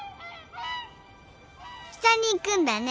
北に行くんだね。